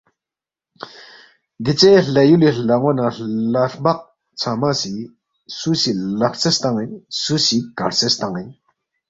دیژے ہلا یولی ہلان٘و نہ ہلا ہرمق ژھنگمہ سی، سُو سی لق ہرژیس تان٘ین، سُوسی کنگ ہرژیس تان٘ین،